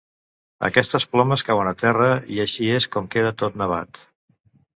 Aquestes plomes cauen a terra i així és com queda tot nevat.